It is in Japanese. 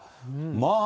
まあ、